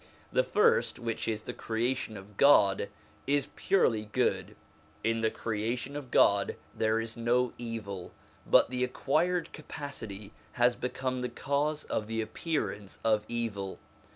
The first, which is the creation of God, is purely good in the creation of God there is no evil ; but the acquired capacity has become the cause of the appearance of evil.